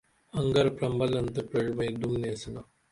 انگر پرمبلن تہ پریڜبئیں دُم نیسنا